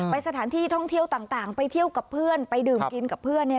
สถานที่ท่องเที่ยวต่างไปเที่ยวกับเพื่อนไปดื่มกินกับเพื่อน